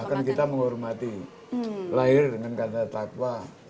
bahkan kita menghormati lahir dengan kantata taqwa